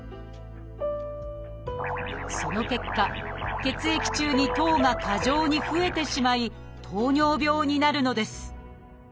その結果血液中に糖が過剰に増えてしまい糖尿病になるのです。